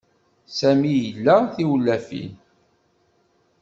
Sami ila tiwlafin.